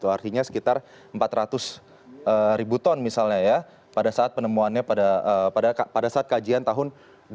artinya sekitar empat ratus ribu ton misalnya ya pada saat penemuannya pada saat kajian tahun dua ribu dua